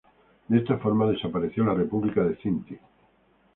De esta forma desapareció la Republiqueta de Cinti.